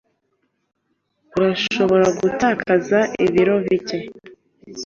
Urashobora gutakaza ibiro bike.